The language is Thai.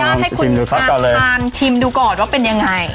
ขออนุญาตให้คุณมาทานชิมดูก่อนว่าเป็นยังไงต่อเลย